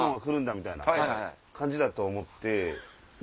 みたいな感じだと思って。